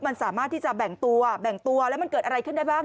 มันสามารถที่จะแบ่งตัวแบ่งตัวแล้วมันเกิดอะไรขึ้นได้บ้าง